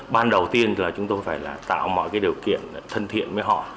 ban đầu tiên là chúng tôi phải tạo mọi điều kiện thân thiện với họ